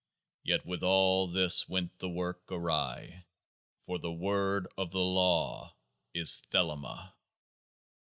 Yet with all this went The Work awry ; for THE WORD OF THE LAW IS 0EAHMA.